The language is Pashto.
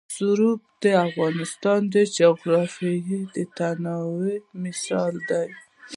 رسوب د افغانستان د جغرافیوي تنوع مثال دی.